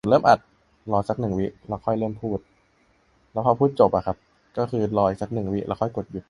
และทำหน้าที่สะพานเชื่อมความเข้าใจกับสังคมแล้ว